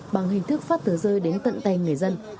bằng hình thức phát tờ rơi đến tận tay người dân